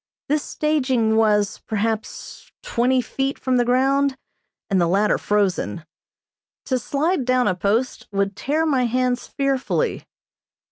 This staging was, perhaps, twenty feet from the ground, and the latter frozen. To slide down a post would tear my hands fearfully.